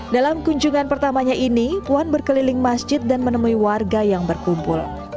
dalam kunjungan pertamanya ini puan berkeliling masjid dan menemui warga yang berkumpul